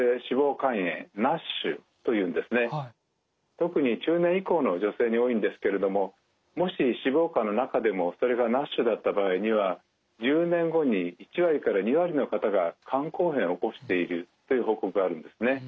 特に中年以降の女性に多いんですけれどももし脂肪肝の中でもそれがＮＡＳＨだった場合には１０年後に１２割の方が肝硬変を起こしているという報告があるんですね。